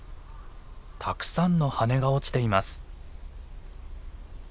たくさんの羽根が落ちています。